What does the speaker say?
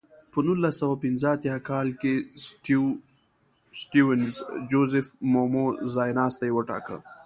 په نولس سوه پنځه اتیا کال کې سټیونز جوزیف مومو ځایناستی وټاکه.